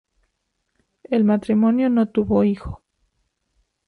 El matrimonio no tuvo hijo.